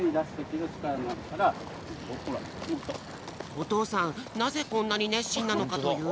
おとうさんなぜこんなにねっしんなのかというと。